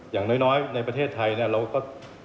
อย่างน้อยในประเทศไทยเนี่ยเราก็